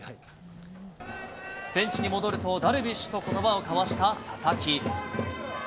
ベンチに戻るとダルビッシュとことばを交わした佐々木。